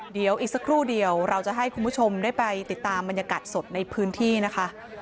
เดี๋ยวอีกสักครู่เดียวเราจะให้คุณผู้ชมได้ไปติดตามบรรยากาศสดในพื้นที่นะคะ